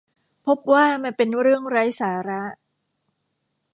พบว่ามันเป็นเรื่องไร้สาระ